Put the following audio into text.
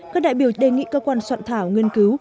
các đại biểu đề nghị cơ quan soạn thảo nghiên cứu